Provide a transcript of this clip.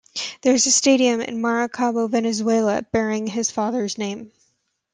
There is a stadium in Maracaibo, Venezuela, bearing his father's name.